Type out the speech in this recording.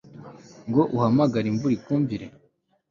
ngo uhamagare imvura ikumvire